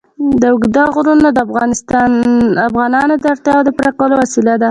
اوږده غرونه د افغانانو د اړتیاوو د پوره کولو وسیله ده.